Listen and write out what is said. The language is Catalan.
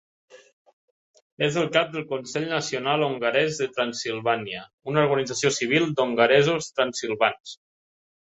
És el cap del Consell Nacional Hongarès de Transsilvània, una organització civil d'hongaresos transsilvans.